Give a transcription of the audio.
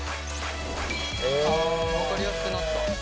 分かりやすくなった。